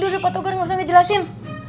udah pak togar gak usah ngejelasin